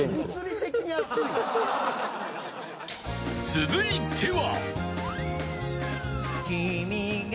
［続いては］